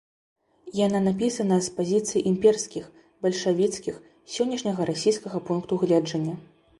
Яна напісана з пазіцый імперскіх, бальшавіцкіх, з сённяшняга расійскага пункту гледжання.